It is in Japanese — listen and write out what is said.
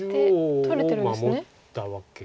取れてるんですね。